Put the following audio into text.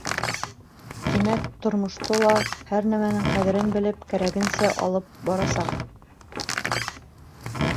Тимәк, тормошто ла, һәр нәмәнең ҡәҙерен белеп, кәрәгенсә алып барасаҡ.